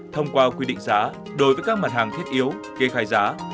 thông qua quy định giá đối với các mặt hàng thiết yếu kê khai giá